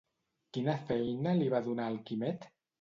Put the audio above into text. Quina feina li va donar al Quimet?